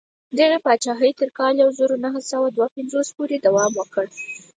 دغې پاچاهۍ تر کال یو زر نهه سوه دوه پنځوس پورې دوام وکړ.